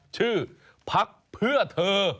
ชื่อพักเพื่อเธอ